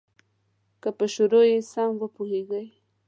که په شروع یې سم وپوهیږې.